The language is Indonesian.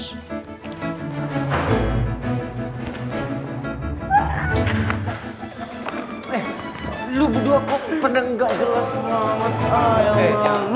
eh lu berdua kok pedang gak jelasin sama aku